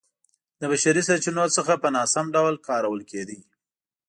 د بشري سرچینو څخه په ناسم ډول کارول کېده